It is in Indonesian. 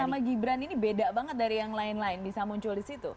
nama gibran ini beda banget dari yang lain lain bisa muncul disitu